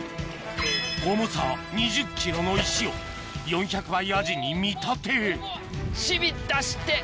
重さ２０ｋｇの石を４００倍アジに見立てチビ出して。